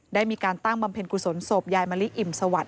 ได้มีการตั้งบำเพ็ญกุศลศพยายมะลิอิ่มสวัสด